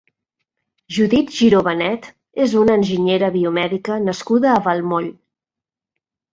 Judit Giró Benet és una enginyera biomèdica nascuda a Vallmoll.